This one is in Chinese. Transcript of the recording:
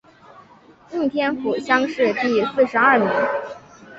应天府乡试第四十二名。